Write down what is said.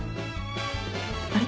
あれ？